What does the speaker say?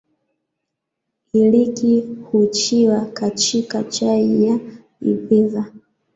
Iliki huchiwa kachika chai ya idhiva.